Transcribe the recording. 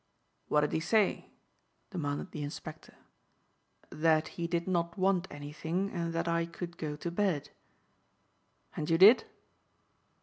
"What did he say?" demanded the inspector. "That he did not want anything and that I could go to bed." "And you did?"